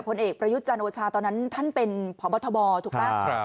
พลเอกประยุจจันทร์โวชาตอนนั้นท่านเป็นผอบทบถูกปะ